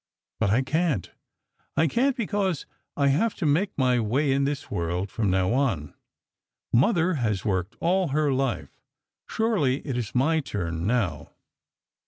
But I can't. I can't, because I have to make my way in this world from now on. Mother has worked all her life; surely, it's my turn, now....